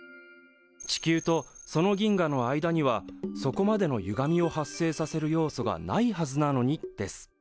地球とその銀河の間にはそこまでのゆがみを発生させる要素がないはずなのにです。